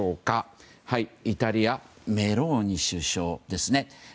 イタリア、メローニ首相です。